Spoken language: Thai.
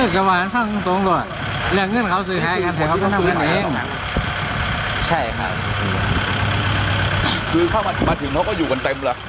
ใช่ไหมใช่ครับคือเข้ามามาถึงเขาก็อยู่กันเต็มเลย